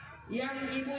oke mari kita selawat